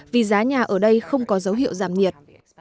vì giá nhà ở đây không có dấu hiệu giảm nhiệt